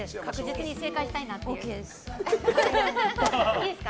いいですか？